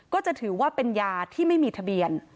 ก็จะถือว่าเป็นยาที่ไม่มีทะเบียน